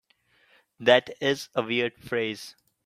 That is a weird phrase.